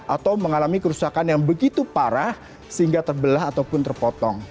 atau mengalami kerusakan yang begitu parah sehingga terbelah ataupun terpotong